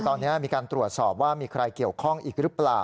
ตอนนี้มีการตรวจสอบว่ามีใครเกี่ยวข้องอีกหรือเปล่า